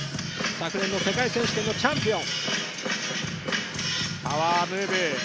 昨年の世界選手権のチャンピオン。